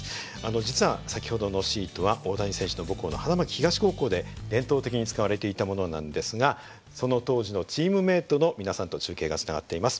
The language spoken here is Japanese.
実は先ほどのシートは大谷選手の母校の花巻東高校で伝統的に使われていたものなんですがその当時のチームメートの皆さんと中継がつながっています。